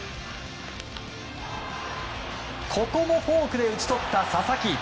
ここもフォークで打ち取った佐々木。